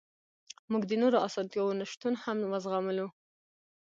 موږ د نورو اسانتیاوو نشتون هم وزغملو